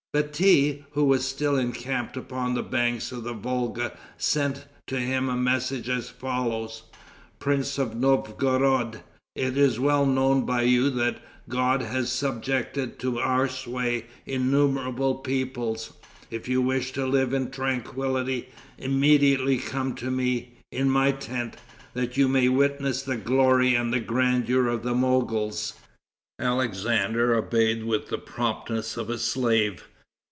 Bati, who was still encamped upon the banks of the Volga, sent to him a message as follows: "Prince of Novgorod: it is well known by you that God has subjected to our sway innumerable peoples. If you wish to live in tranquillity, immediately come to me, in my tent, that you may witness the glory and the grandeur of the Mogols." Alexander obeyed with the promptness of a slave.